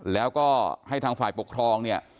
แล้วก็ให้ทางฝ่ายปกครอง